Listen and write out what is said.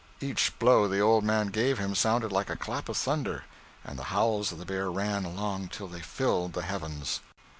Each blow the old man gave him sounded like a clap of thunder, and the howls of the bear ran along till they filled the heavens.